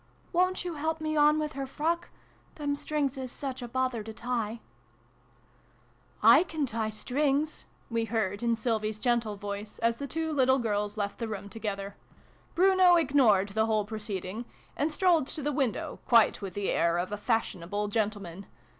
" Wo'n't you help me on with her frock ? Them strings is such a bother to tie !"" I can tie strings," we heard, in Sylvie's gentle voice, as the two little girls left the room together. Bruno ignored the whole proceeding, and strolled to the window, quite with the air of a fashionable gentleman.